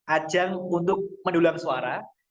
ajang untuk menulang suara